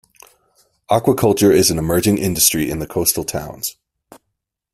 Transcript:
Aquaculture is an emerging industry in the coastal towns.